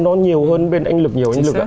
nó nhiều hơn bên anh lực nhiều